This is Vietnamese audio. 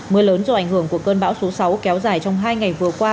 mưa lớn do ảnh hưởng của cơn bão số sáu kéo dài trong hai ngày vừa qua